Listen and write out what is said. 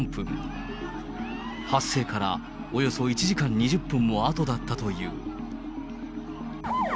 発生からおよそ１時間２０分もあとだったという。